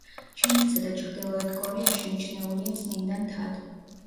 ჩინეთსა და ჩრდილოეთ კორეაში მიჩნეულია წმინდა მთად.